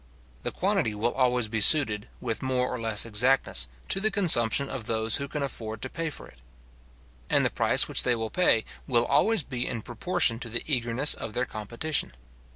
The quantity will always be suited, with more or less exactness, to the consumption of those who can afford to pay for it; and the price which they will pay will always be in proportion to the eagerness of their competition.